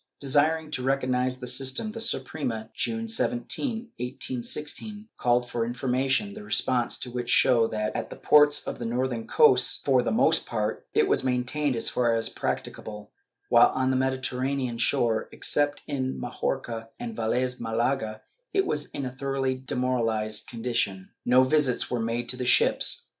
Desiring to reorganize the system, the Suprema, June 17, 1816, called for information, the responses to which show that, at the ports of the northern coasts, for the most part, it was maintained as far as practicable, while on the Mediterranean shore, except in Majorca and Velez Mdlaga, it was in a thoroughly demoralized condition. No visits were made to the ships.